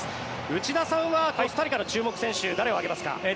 内田さんはコスタリカの注目選手誰を挙げますか？